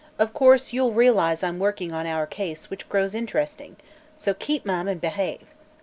Of course, you'll realize I'm working on our case, which grows interesting. So keep mum and behave."